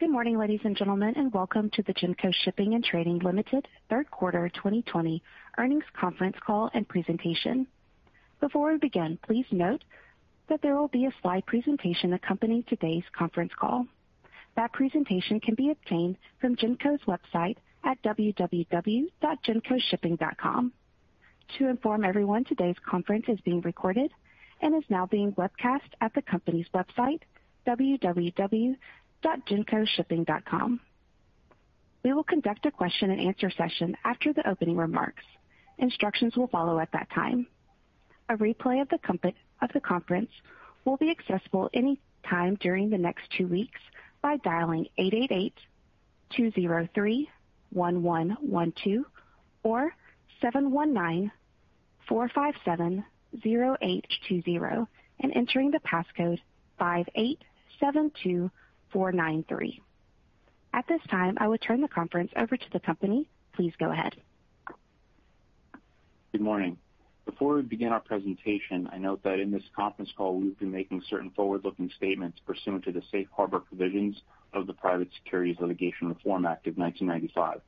Good morning, ladies and gentlemen, and welcome to the Genco Shipping & Trading Limited Third Quarter 2020 Earnings Conference Call and Presentation. Before we begin, please note that there will be a slide presentation accompanying today's conference call. That presentation can be obtained from Genco's website at www.gencoshipping.com. To inform everyone, today's conference is being recorded and is now being webcast at the company's website, www.gencoshipping.com. We will conduct a question-and-answer session after the opening remarks. Instructions will follow at that time. A replay of the conference will be accessible any time during the next two weeks by dialing 888-203-1112 or 719-457-0820 and entering the passcode 5872493. At this time, I will turn the conference over to the company. Please go ahead. Good morning. Before we begin our presentation, I note that in this conference call, we will be making certain forward-looking statements pursuant to the Safe Harbor Provisions of the Private Securities Litigation Reform Act of 1995.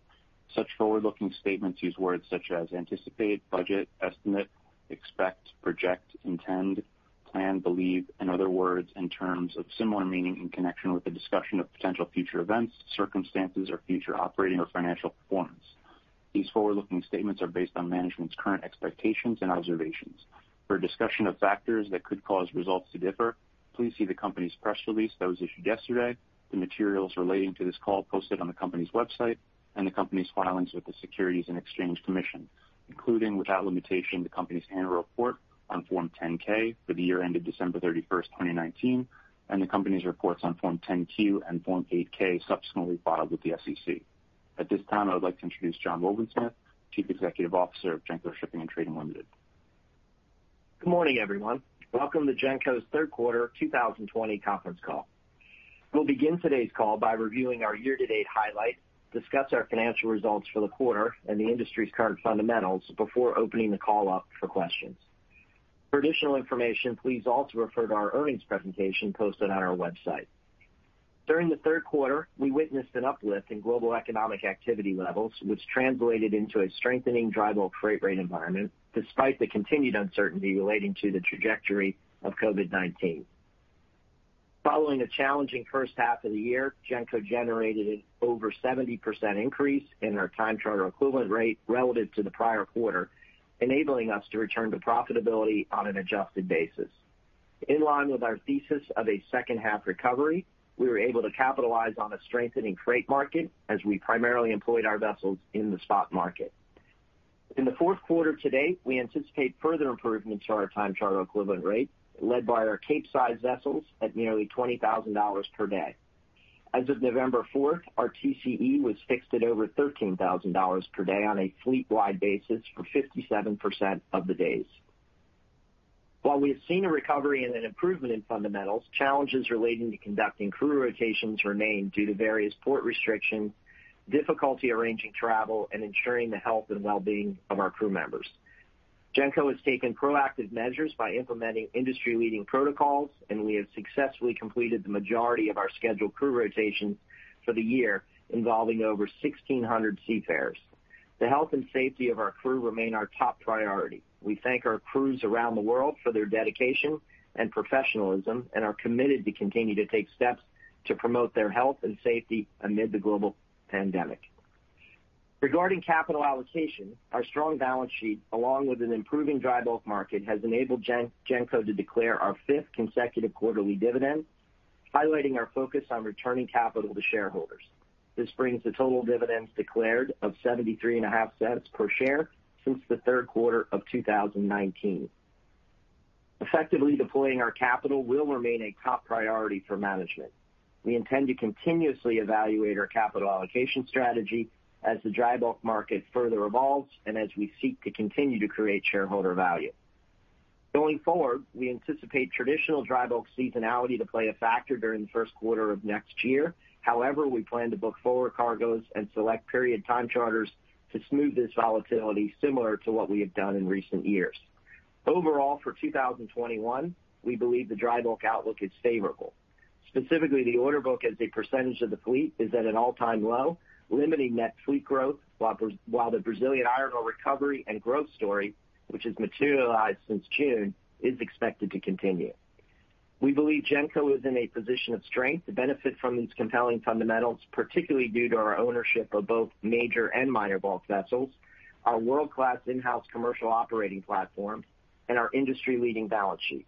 Such forward-looking statements use words such as anticipate, budget, estimate, expect, project, intend, plan, believe, and other words and terms of similar meaning in connection with the discussion of potential future events, circumstances, or future operating or financial performance. These forward-looking statements are based on management's current expectations and observations. For a discussion of factors that could cause results to differ, please see the company's press release that was issued yesterday, the materials relating to this call posted on the company's website, and the company's filings with the Securities and Exchange Commission, including, without limitation, the company's annual report on Form 10-K for the year ended December 31st, 2019, and the company's reports on Form 10-Q and Form 8-K subsequently filed with the SEC. At this time, I would like to introduce John Wobensmith, Chief Executive Officer of Genco Shipping & Trading Limited. Good morning, everyone. Welcome to Genco's Third Quarter 2020 conference call. We'll begin today's call by reviewing our year-to-date highlights, discussing our financial results for the quarter, and the industry's current fundamentals before opening the call up for questions. For additional information, please also refer to our earnings presentation posted on our website. During the third quarter, we witnessed an uplift in global economic activity levels, which translated into a strengthening dry bulk freight rate environment despite the continued uncertainty relating to the trajectory of COVID-19. Following a challenging first half of the year, Genco generated over a 70% increase in our time charter equivalent rate relative to the prior quarter, enabling us to return to profitability on an adjusted basis. In line with our thesis of a second-half recovery, we were able to capitalize on a strengthening freight market as we primarily employed our vessels in the spot market. In the fourth quarter to date, we anticipate further improvements to our time charter equivalent rate, led by our Capesize vessels at nearly $20,000 per day. As of November 4, our TCE was fixed at over $13,000 per day on a fleet-wide basis for 57% of the days. While we have seen a recovery and an improvement in fundamentals, challenges relating to conducting crew rotations remain due to various port restrictions, difficulty arranging travel, and ensuring the health and well-being of our crew members. Genco has taken proactive measures by implementing industry-leading protocols, and we have successfully completed the majority of our scheduled crew rotations for the year, involving over 1,600 seafarers. The health and safety of our crew remain our top priority. We thank our crews around the world for their dedication and professionalism and are committed to continuing to take steps to promote their health and safety amid the global pandemic. Regarding capital allocation, our strong balance sheet, along with an improving dry bulk market, has enabled Genco to declare our fifth consecutive quarterly dividend, highlighting our focus on returning capital to shareholders. This brings the total dividends declared of $0.735 per share since the third quarter of 2019. Effectively deploying our capital will remain a top priority for management. We intend to continuously evaluate our capital allocation strategy as the dry bulk market further evolves and as we seek to continue to create shareholder value. Going forward, we anticipate traditional dry bulk seasonality to play a factor during the first quarter of next year. We plan to book forward cargoes and select period time charters to smooth this volatility, similar to what we have done in recent years. Overall, for 2021, we believe the dry bulk outlook is favorable. The order book as a percentage of the fleet is at an all-time low, limiting net fleet growth, while the Brazilian iron ore recovery and growth story, which has materialized since June, is expected to continue. We believe Genco is in a position of strength to benefit from these compelling fundamentals, particularly due to our ownership of both major and minor bulk vessels, our world-class in-house commercial operating platform, and our industry-leading balance sheet.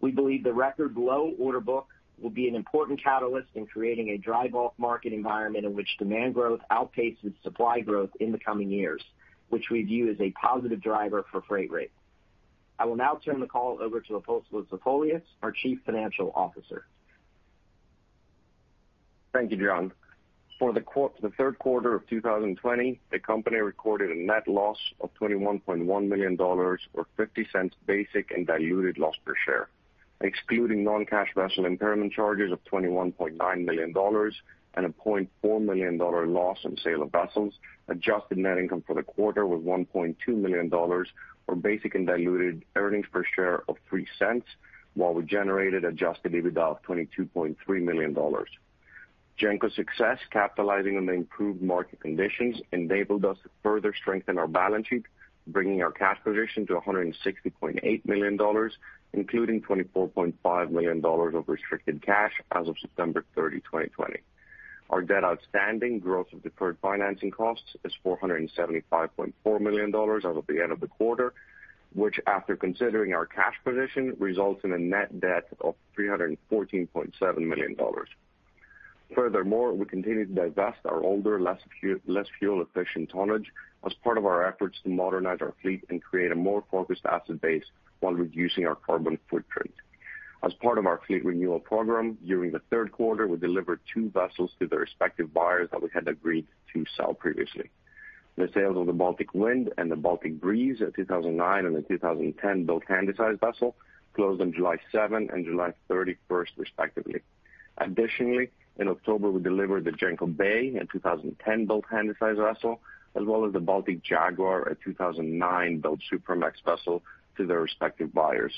We believe the record low order book will be an important catalyst in creating a dry bulk market environment in which demand growth outpaces supply growth in the coming years, which we view as a positive driver for freight rates. I will now turn the call over to Apostolos Zafolias, our Chief Financial Officer. Thank you, John. For the third quarter of 2020, the company recorded a net loss of $21.1 million, or $0.50 basic and diluted loss per share. Excluding non-cash vessel impairment charges of $21.9 million and a $0.4 million loss on the sale of vessels, adjusted net income for the quarter was $1.2 million, or basic and diluted earnings per share of $0.03, while we generated adjusted EBITDA of $22.3 million. Genco's success capitalizing on the improved market conditions enabled us to further strengthen our balance sheet, bringing our cash position to $160.8 million, including $24.5 million of restricted cash as of September 30, 2020. Our debt outstanding, gross of deferred financing costs, is $475.4 million as of the end of the quarter, which, after considering our cash position, results in a net debt of $314.7 million. Furthermore, we continue to divest our older, less fuel-efficient tonnage as part of our efforts to modernize our fleet and create a more focused asset base while reducing our carbon footprint. As part of our fleet renewal program, during the third quarter, we delivered two vessels to their respective buyers that we had agreed to sell previously. The sales of the Baltic Wind and the Baltic Breeze, a 2009 and a 2010-built Handysize vessel, closed on July 7th and July 31st, respectively. In October, we delivered the Genco Bay, a 2010-built Handysize vessel, as well as the Baltic Jaguar, a 2009-built Supramax vessel, to their respective buyers.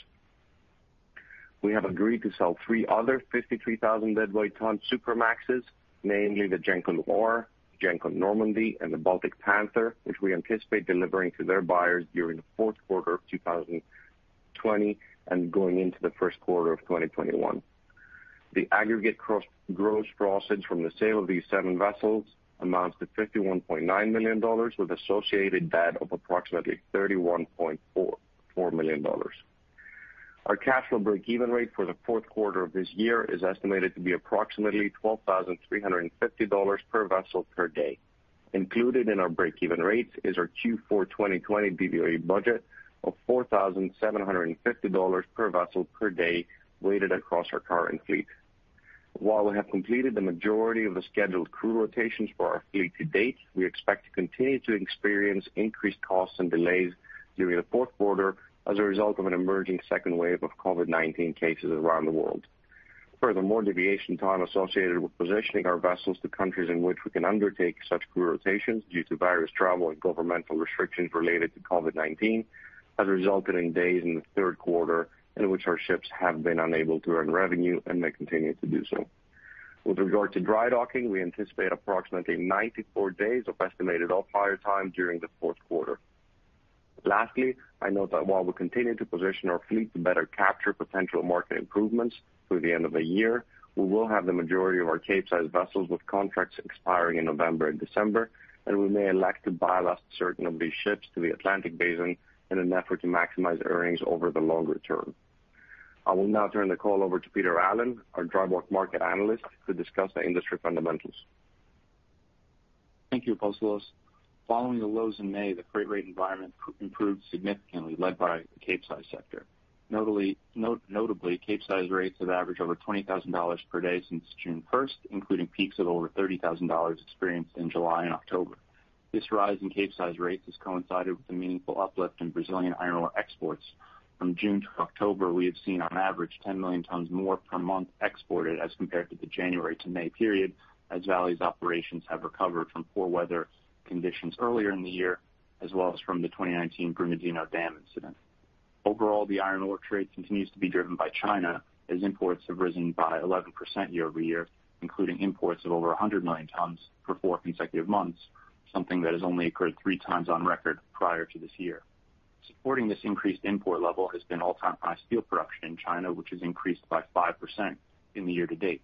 We have agreed to sell three other 53,000 deadweight ton Supramaxes, namely the Genco Ore, Genco Normandy, and the Baltic Panther, which we anticipate delivering to their buyers during the fourth quarter of 2020 and going into the first quarter of 2021. The aggregate gross proceeds from the sale of these seven vessels amount to $51.9 million with associated debt of approximately $31.4 million. Our cash flow breakeven rate for the fourth quarter of this year is estimated to be approximately $12,350 per vessel per day. Included in our breakeven rates is our Q4 2020 BBB budget of $4,750 per vessel per day, weighted across our current fleet. While we have completed the majority of the scheduled crew rotations for our fleet to date, we expect to continue to experience increased costs and delays during the fourth quarter as a result of an emerging second wave of COVID-19 cases around the world. Deviation time associated with positioning our vessels to countries in which we can undertake such crew rotations due to various travel and governmental restrictions related to COVID-19, has resulted in days in the third quarter in which our ships have been unable to earn revenue and may continue to do so. With regard to dry docking, we anticipate approximately 94 days of estimated off-hire time during the fourth quarter. Lastly, I note that while we continue to position our fleet to better capture potential market improvements through the end of the year, we will have the majority of our Capesize vessels with contracts expiring in November and December, and we may elect to ballast certain of these ships to the Atlantic basin in an effort to maximize earnings over the longer term. I will now turn the call over to Peter Allen, our dry bulk market analyst, to discuss the industry fundamentals. Thank you, Apostolos. Following the lows in May, the freight rate environment improved significantly, led by the Capesize sector. Notably, Capesize rates have averaged over $20,000 per day since June 1st, including peaks of over $30,000 experienced in July and October. This rise in Capesize rates has coincided with a meaningful uplift in Brazilian iron ore exports. From June to October, we have seen on average 10 million tons more per month exported as compared to the January to May period as Vale's operations have recovered from poor weather conditions earlier in the year, as well as from the 2019 Brumadinho dam incident. Overall, the iron ore trade continues to be driven by China, as imports have risen by 11% year-over-year, including imports of over 100 million tons for four consecutive months, something that has only occurred three times on record prior to this year. Supporting this increased import level has been all-time high steel production in China, which has increased by 5% in the year-to-date.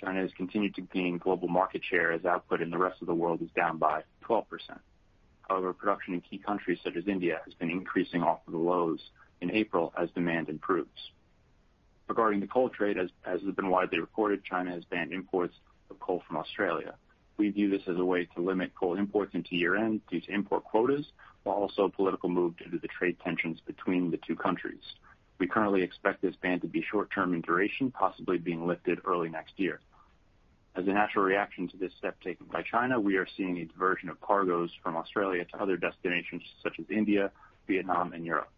China has continued to gain global market share as output in the rest of the world is down by 12%. However, production in key countries such as India has been increasing off of the lows in April as demand improves. Regarding the coal trade, as has been widely reported, China has banned imports of coal from Australia. We view this as a way to limit coal imports into the year-end due to import quotas, while also a political move due to the trade tensions between the two countries. We currently expect this ban to be short-term in duration, possibly being lifted early next year. As a natural reaction to this step taken by China, we are seeing a diversion of cargoes from Australia to other destinations such as India, Vietnam, and Europe.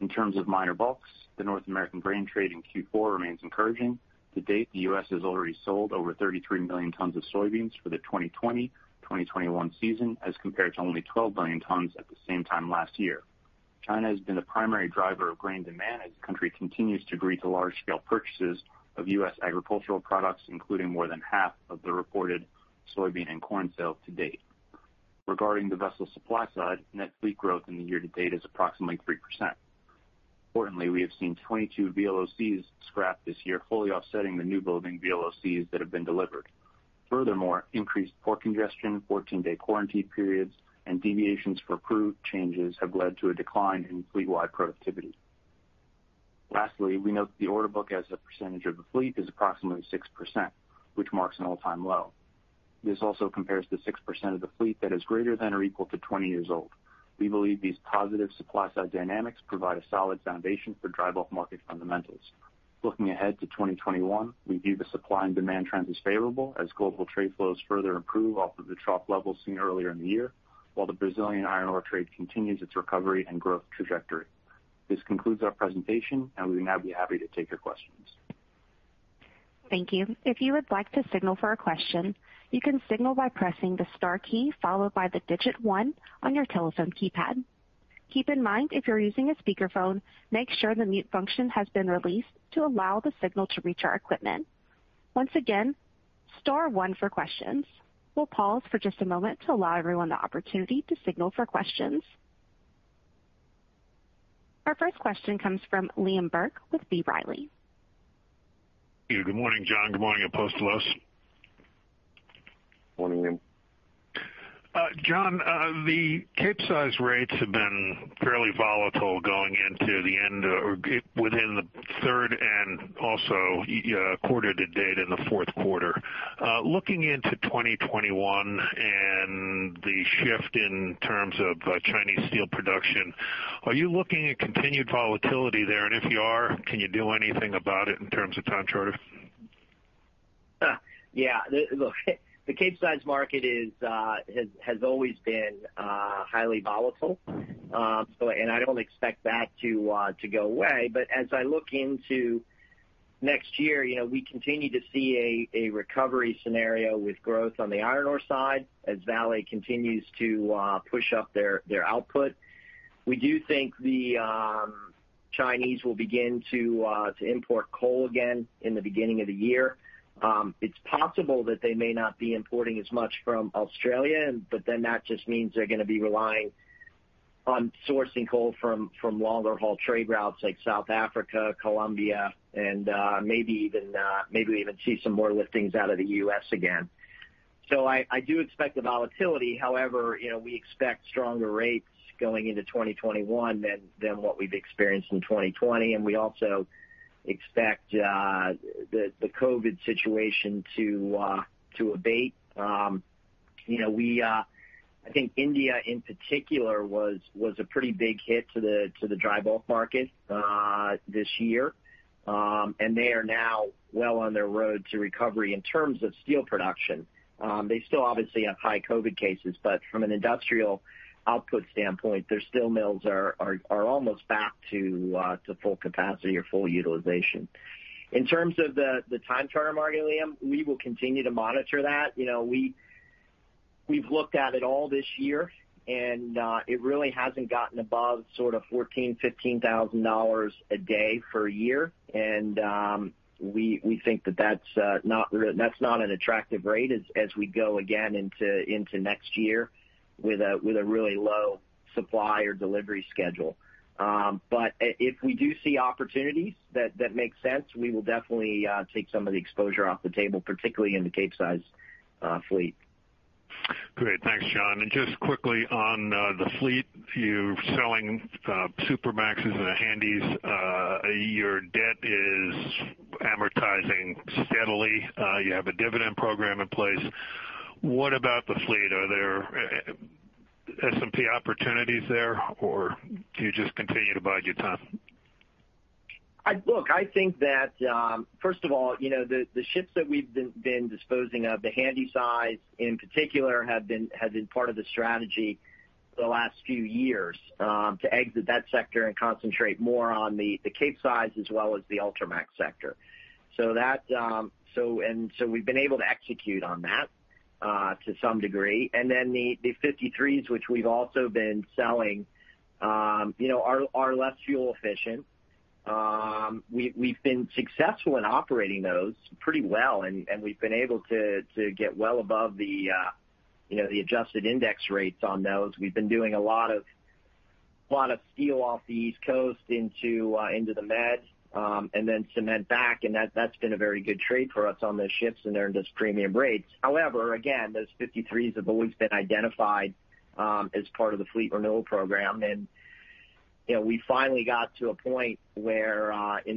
In terms of minor bulks, the North American grain trade in Q4 remains encouraging. To date, the U.S. has already sold over 33 million tons of soybeans for the 2020-2021 season as compared to only 12 million tons at the same time last year. China has been the primary driver of grain demand as the country continues to agree to large-scale purchases of U.S. agricultural products, including more than half of the reported soybean and corn sales to date. Regarding the vessel supply side, net fleet growth in the year-to-date is approximately 3%. Importantly, we have seen 22 VLOCs scrap this year, fully offsetting the new building VLOCs that have been delivered. Furthermore, increased port congestion, 14-day quarantine periods, and deviations for crew changes have led to a decline in fleet-wide productivity. Lastly, we note that the order book as a percentage of the fleet is approximately 6%, which marks an all-time low. This also compares to 6% of the fleet that is greater than or equal to 20 years old. We believe these positive supply-side dynamics provide a solid foundation for dry bulk market fundamentals. Looking ahead to 2021, we view the supply and demand trends as favorable as global trade flows further improve off of the trough levels seen earlier in the year, while the Brazilian iron ore trade continues its recovery and growth trajectory. This concludes our presentation, and we would now be happy to take your questions. Thank you. If you would like to signal for a question, you can signal by pressing the star key followed by the digit one on your telephone keypad. Keep in mind, if you're using a speakerphone, make sure the mute function has been released to allow the signal to reach our equipment. Once again, star one for questions. We'll pause for just a moment to allow everyone the opportunity to signal for questions. Our first question comes from Liam Burke with B. Riley. Good morning, John. Good morning, Apostolos. Morning, Liam. John, the Capesize rates have been fairly volatile going into the end or within the third and also the quarter-to-date in the fourth quarter. Looking into 2021 and the shift in terms of Chinese steel production, are you looking at continued volatility there? If you are, can you do anything about it in terms of time charter? Yeah. Look, the Capesize market has always been highly volatile, and I don't expect that to go away. As I look into next year, we continue to see a recovery scenario with growth on the iron ore side as Vale continues to push up their output. We do think the Chinese will begin to import coal again in the beginning of the year. It's possible that they may not be importing as much from Australia, that just means they're going to be relying on sourcing coal from longer-haul trade routes like South Africa, Colombia, and maybe even see some more liftings out of the U.S. again. I do expect the volatility. However, we expect stronger rates going into 2021 than what we've experienced in 2020. We also expect the COVID situation to abate. I think India, in particular, was a pretty big hit to the dry bulk market this year, and they are now well on their road to recovery in terms of steel production. They still obviously have high COVID cases, but from an industrial output standpoint, their steel mills are almost back to full capacity or full utilization. In terms of the time charter market, Liam, we will continue to monitor that. We've looked at it all this year, and it really hasn't gotten above sort of $14,000, $15,000 a day for a year. We think that that's not an attractive rate as we go again into next year with a really low supply or delivery schedule. If we do see opportunities that make sense, we will definitely take some of the exposure off the table, particularly in the Capesize fleet. Great. Thanks, John. Just quickly on the fleet, you're selling the Supramaxes and the Handys. Your debt is amortizing steadily. You have a dividend program in place. What about the fleet? Are there S&P opportunities there, or do you just continue to bide your time? Look, I think that, first of all, the ships that we've been disposing of, the Handysize in particular, have been part of the strategy for the last few years to exit that sector and concentrate more on the Capesize as well as the Ultramax sector. We've been able to execute on that to some degree. The 53s, which we've also been selling, are less fuel efficient. We've been successful in operating those pretty well, and we've been able to get well above the adjusted index rates on those. We've been doing a lot of steel off the East Coast into the Med and then cement back, and that's been a very good trade for us on those ships, and they're in those premium rates. However, again, those 53s have always been identified as part of the fleet renewal program. We finally got to a point in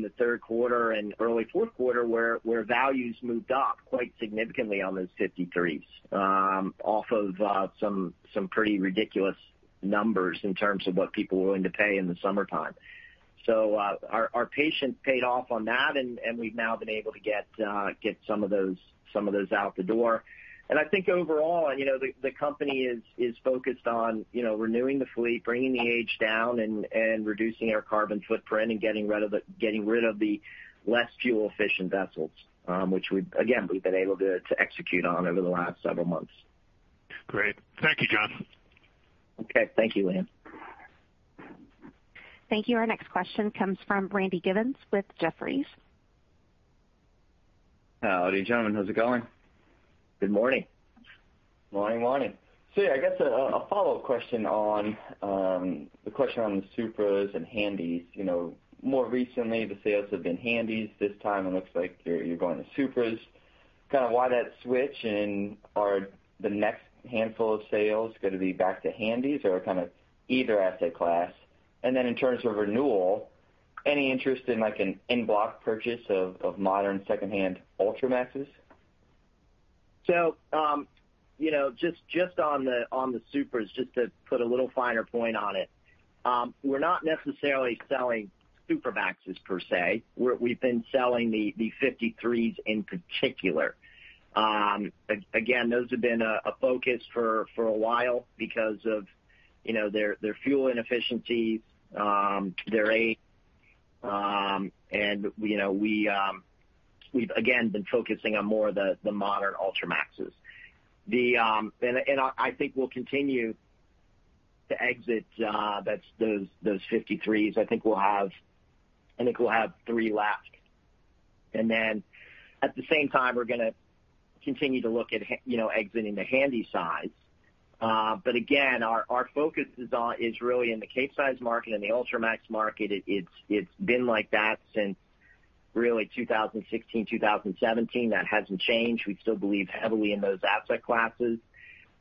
the third quarter and early fourth quarter where values moved up quite significantly on those 53s off of some pretty ridiculous numbers in terms of what people were willing to pay in the summertime. Our patience paid off on that, and we've now been able to get some of those out the door. I think overall, the company is focused on renewing the fleet, bringing the age down, reducing our carbon footprint, and getting rid of the less fuel-efficient vessels, which we've, again, been able to execute on over the last several months. Great. Thank you, John. Okay. Thank you, Liam. Thank you. Our next question comes from Randy Giveans with Jefferies. Howdy, gentlemen. How's it going? Good morning. Morning. Yeah, I guess a follow-up question on the question on the Supras and Handys. More recently, the sales have been Handys. This time it looks like you're going to Supras. Kind of why that switch, and are the next handful of sales going to be back to Handys or kind of either asset class? Then in terms of renewal, any interest in like an in-block purchase of modern secondhand Ultramaxes? Just on the Supras, just to put a little finer point on it. We're not necessarily selling Supramaxes per se. We've been selling the 53s in particular. Those have been a focus for a while because of their fuel inefficiency and their age. We've again been focusing on more of the modern Ultramaxes. I think we'll continue to exit those 53s. I think we'll have three left. At the same time, we're going to continue to look at exiting the Handysize. Again, our focus is really on the Capesize market and the Ultramax market. It's been like that since really 2016, 2017. That hasn't changed. We still believe heavily in those asset classes.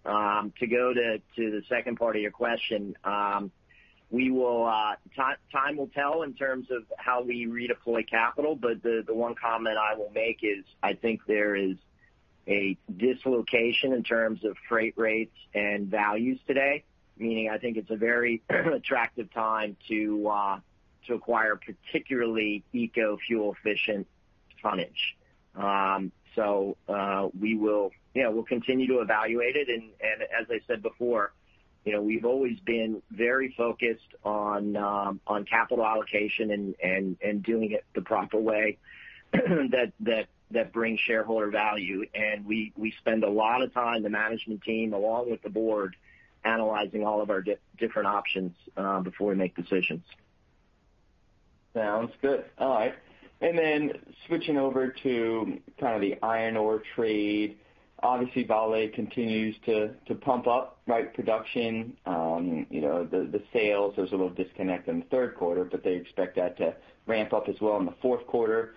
To go to the second part of your question, time will tell in terms of how we redeploy capital. The one comment I will make is I think there is a dislocation in terms of freight rates and values today, meaning I think it's a very attractive time to acquire particularly eco-fuel-efficient tonnage. We'll continue to evaluate it. As I said before, we've always been very focused on capital allocation and doing it the proper way that brings shareholder value. We spend a lot of time, the management team, along with the board, analyzing all of our different options before we make decisions. Sounds good. All right. Then switching over to kind of the iron ore trade. Obviously, Vale continues to pump up production. The sales, there's a little disconnect in the third quarter, but they expect that to ramp up as well in the fourth quarter.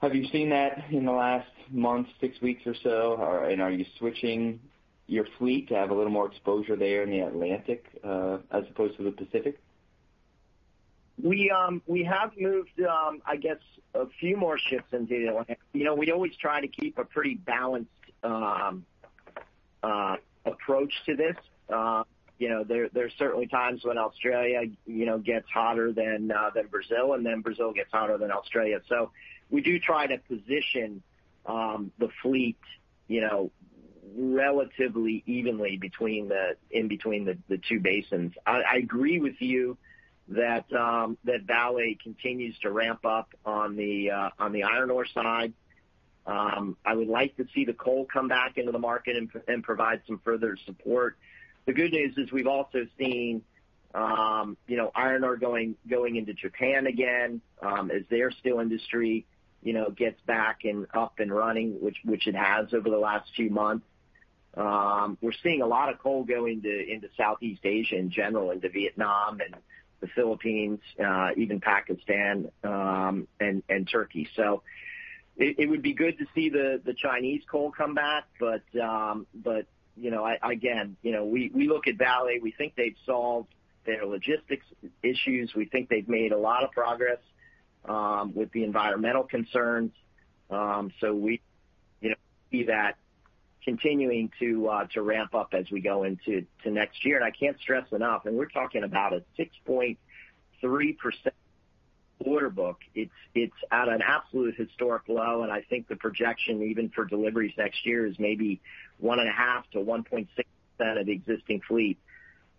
Have you seen that in the last month, six weeks or so? Are you switching your fleet to have a little more exposure there in the Atlantic as opposed to the Pacific? We have moved, I guess, a few more ships into the Atlantic. We always try to keep a pretty balanced approach to this. There's certainly times when Australia gets hotter than Brazil, and then Brazil gets hotter than Australia. We do try to position the fleet relatively evenly in between the two basins. I agree with you that Vale continues to ramp up on the iron ore side. I would like to see the coal come back into the market and provide some further support. The good news is we've also seen iron ore going into Japan again as their steel industry gets back and up and running, which it has over the last few months. We're seeing a lot of coal going into Southeast Asia in general, into Vietnam and the Philippines, even Pakistan and Turkey. It would be good to see the Chinese coal come back, but again, we look at Vale, we think they've solved their logistics issues. We think they've made a lot of progress with the environmental concerns. We see that continuing to ramp up as we go into next year. I can't stress enough, and we're talking about a 6.3% order book. It's at an absolute historic low, and I think the projection, even for deliveries next year, is maybe 1.5%-1.6% of the existing fleet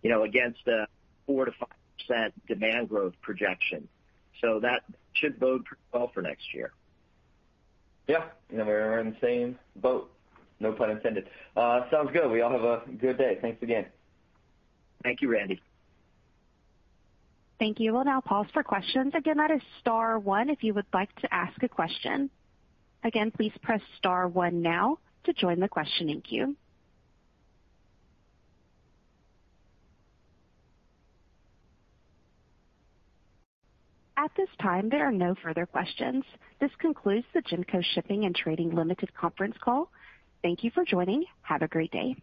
against a 4%-5% demand growth projection. That should bode pretty well for next year. Yeah. We're in the same boat. No pun intended. Sounds good. Well, you all have a good day. Thanks again. Thank you, Randy. Thank you. We'll now pause for questions. Again, that is star one if you would like to ask a question. Again, please press star one now to join the questioning queue. At this time, there are no further questions. This concludes the Genco Shipping & Trading Limited conference call. Thank you for joining. Have a great day.